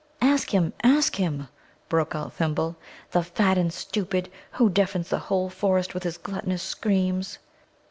"Ask him, ask him!" broke out Thimble, "the fat and stupid, who deafens the whole forest with his gluttonous screams."